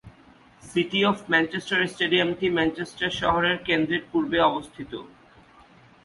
City of Manchester স্টেডিয়ামটি Manchester শহরের কেন্দ্রের পূর্বে অবস্থিত।